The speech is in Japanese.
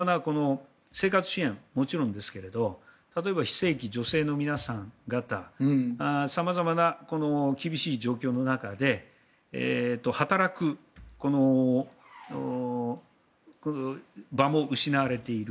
様々な生活支援はもちろんですが例えば非正規、女性の皆さん方様々なこの厳しい状況の中で働く場も失われている。